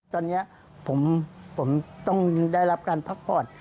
ตอนนี้ผมต้องได้รับการพักผ่อน